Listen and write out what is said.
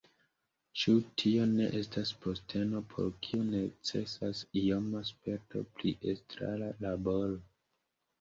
Ĉu tio ne estas posteno, por kiu necesas ioma sperto pri estrara laboro?